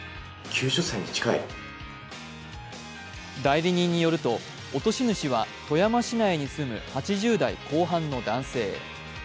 代理人によると、落とし主は富山市内に住む８０代後半の男性。